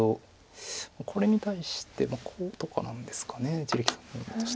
これに対してこうとかなんですか一力さんとしては。